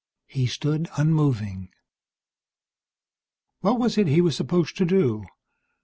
He stood unmoving. What was it he was supposed to do?